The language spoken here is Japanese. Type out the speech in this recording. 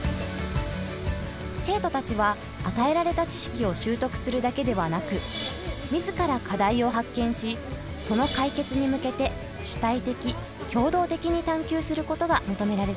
生徒たちは与えられた知識を習得するだけではなく自ら課題を発見しその解決に向けて主体的・協働的に探究することが求められています。